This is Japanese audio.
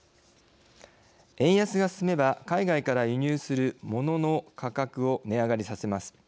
円安が進めば海外から輸入するものの価格を値上がりさせます。